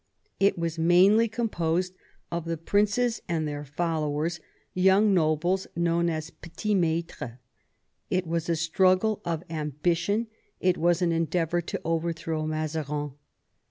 It was mainly composed of the princes and their followers, young nobles known as petits mattres; it was a struggle of ambition; it was an endeavour to overthrow Mazarin.